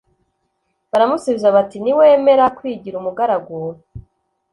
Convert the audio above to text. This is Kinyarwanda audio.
Baramusubiza bati Niwemera kwigira umugaragu